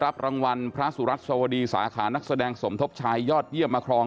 รับรางวัลพระสุรัตนสวดีสาขานักแสดงสมทบชายยอดเยี่ยมมาครอง